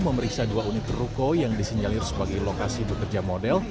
memeriksa dua unit ruko yang disinyalir sebagai lokasi bekerja model